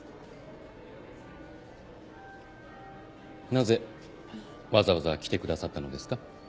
なぜわざわざ来てくださったのですか？